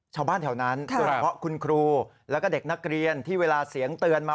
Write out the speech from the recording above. ชาวบ้านแถวนั้นโดยเฉพาะคุณครูแล้วก็เด็กนักเรียนที่เวลาเสียงเตือนมา